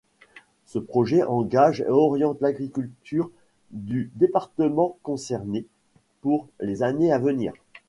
Ce projet engage et oriente l'agriculture du département concerné pour les années à venir.